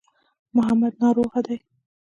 محمد ناروغه دی.